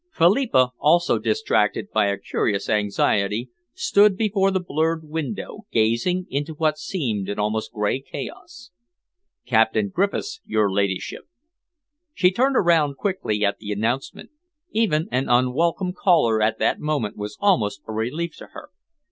Philippa, also, distracted by a curious anxiety, stood before the blurred window, gazing into what seemed almost a grey chaos. "Captain Griffiths, your ladyship." She turned around quickly at the announcement. Even an unwelcome caller at that moment was almost a relief to her.